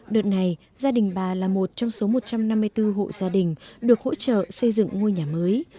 đợt này gia đình bà là một trong số một trăm năm mươi bốn hộ gia đình được hỗ trợ xây dựng ngôi nhà mới